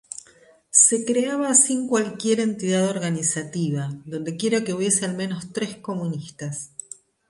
Se creaba sin cualquier entidad organizativa, dondequiera que hubiese al menos tres comunistas.